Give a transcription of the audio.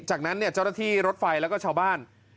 จากนั้นเจ้าหน้าที่รถไฟและชาวบ้าน